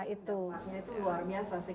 itu luar biasa sih